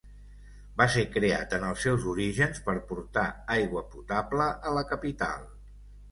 Va ser creat en els seus orígens per portar aigua potable a la capital.